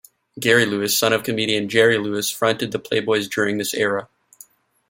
Gary Lewis, son of comedian Jerry Lewis, fronted The Playboys during this era.